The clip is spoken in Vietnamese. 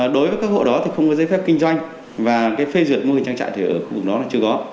đối với các hộ đó thì không có giấy phép kinh doanh và cái phê duyệt mô hình trang trại thì ở vùng đó là chưa có